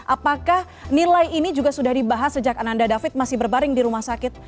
apakah nilai ini juga sudah dibahas sejak ananda david masih berbaring di rumah sakit